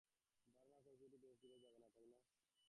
ধারণা করছি এটা বেশি দূর যাবে না, তাই না?